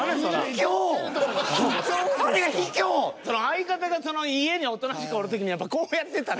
相方が家でおとなしくおる時にやっぱこうやってたら。